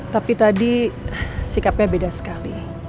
tapi tadi sikapnya beda sekali